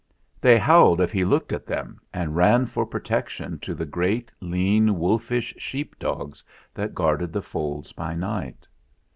They howled if he looked at them, and ran for protection to the great, lean, wolfish sheep dogs that guarded the folds by night.